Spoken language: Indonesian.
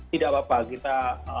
tidak apa apa kita